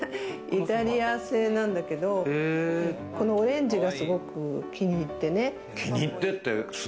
イタリア製なんだけど、このオレンジがすごく気に入ってね。